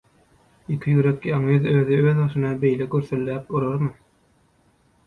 Ýeke ýürek ýalňyz özi özbaşyna beýle gürsüldäp urarmy?